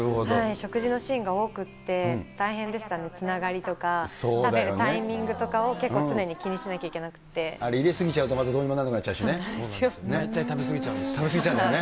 食事のシーンが多くて、大変でしたね、つながりとか、食べるタイミングとかを、あれ入れ過ぎちゃうとどうにもなんなくなっちゃうしね。